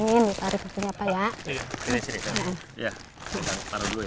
ini sehat alhamdulillah alhamdulillah bayangin tariknya apa ya ini